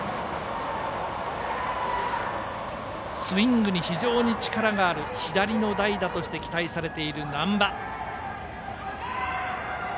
スイングに非常に力がある左の代打として期待されている難波。